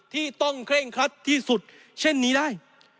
ที่ต้องเคร่งครัดที่สุดเช่นนี้ได้